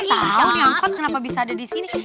gak tau nih angkot kenapa bisa ada di sini